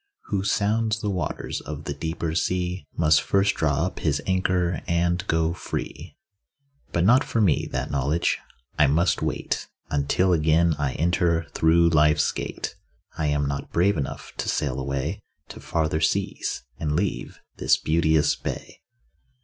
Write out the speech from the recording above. Who sounds the waters of the deeper sea Must first draw up his anchor and go free. But not for me, that knowledge. I must wait Until again I enter through life's gate. I am not brave enough to sail away To farther seas, and leave this beauteous bay.